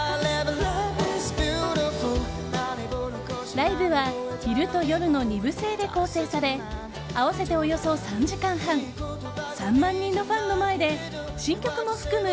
ライブは昼と夜の２部制で構成され合わせておよそ３時間半３万人のファンの前で新曲も含む